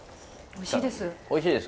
おいしいです！